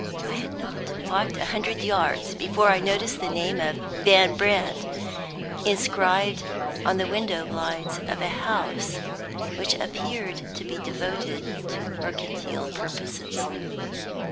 I had not walked a hundred yards before I noticed the name of "Van Brandt" inscribed on the window blinds of a house which appeared to be devoted to mercantile purposes.